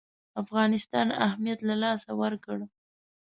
افغانستان اهمیت له لاسه ورکړ.